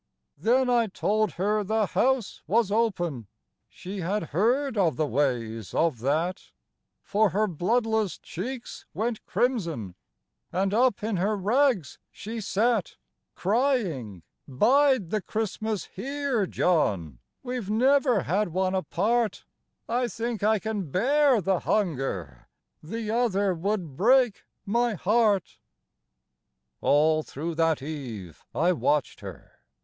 " Then I told her * the House ' was open ; She had heard of the ways of that^ For her bloodless cheeks went crimson, And up in her rags she sat, Crying, * Bide the Christmas here, John, We Ve never had one apart ; I think I can bear the hunger, — The other would break my heart/ " All through that eve I watched her.